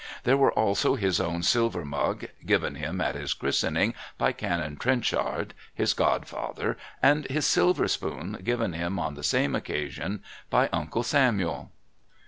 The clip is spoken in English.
There were also his own silver mug, given him at his christening by Canon Trenchard, his godfather, and his silver spoon, given him on the same occasion by Uncle Samuel.